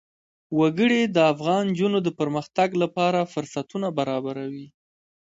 وګړي د افغان نجونو د پرمختګ لپاره فرصتونه برابروي.